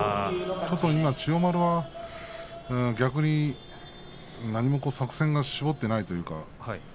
ちょっと今、千代丸は逆に何も作戦を絞っていないというか。